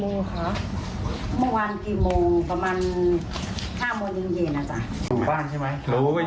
เมื่อวานกี่โมงคะเมื่อวานกี่โมงประมาณ๕โมงเย็นอ่ะจ้ะ